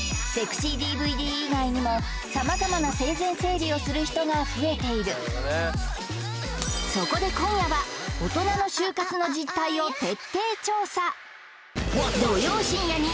セクシーＤＶＤ以外にも様々な生前整理をする人が増えているそこで今夜はオトナの終活の実態を徹底調査